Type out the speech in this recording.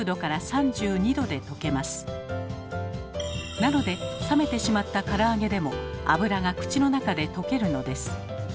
なので冷めてしまったから揚げでも脂が口の中で溶けるのです。